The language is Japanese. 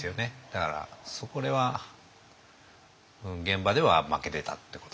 だからこれは現場では負けてたってことじゃないですかね。